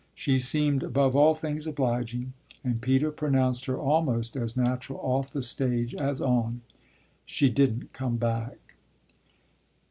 She seemed above all things obliging, and Peter pronounced her almost as natural off the stage as on. She didn't come back.